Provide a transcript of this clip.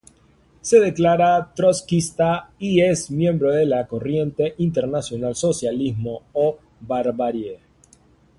Se declara trotskista y es miembro de la Corriente Internacional Socialismo o Barbarie.